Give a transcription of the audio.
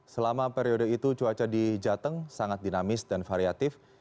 selama periode itu cuaca di jateng sangat dinamis dan variatif